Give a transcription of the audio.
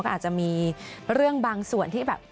ก็อาจจะมีเรื่องบางส่วนที่แบบ